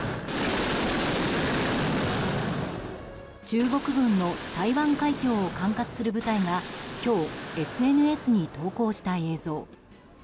中国軍の台湾海峡を管轄する部隊が今日、ＳＮＳに投稿した映像。